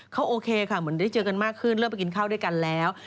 เขาโอเคค่ะเหมือนได้เจอกันมากขึ้นเริ่มไปกินข้าวด้วยกันแล้ว